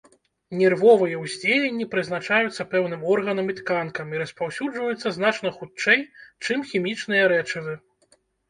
Нервовыя ўздзеянні прызначаюцца пэўным органам і тканкам і распаўсюджваюцца значна хутчэй, чым хімічныя рэчывы.